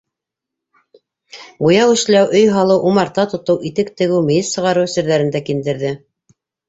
Буяу эшләү, өй һалыу, умарта тотоу, итек тегеү, мейес сығарыу серҙәрен дә киндерҙе.